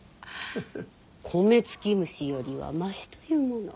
コメツキムシよりはマシというもの。